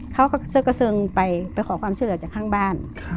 เขาก็เสื้อกระเซิงไปไปขอความช่วยเหลือจากข้างบ้าน